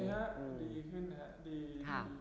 ดีขึ้นนะครับดี